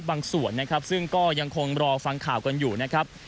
ส่วนนะครับซึ่งก็ยังคงรอฟังข่าวกันอยู่นะครับ